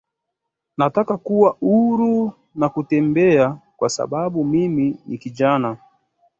Nataka kuwa huru na kutembea kwa sababu mimi ni kijana